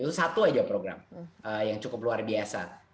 itu satu aja program yang cukup luar biasa